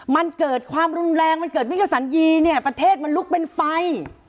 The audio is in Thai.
มันเกิดความรุนแรงมันเกิดมิกษันยีเนี่ยประเทศมันลุกเป็นไฟ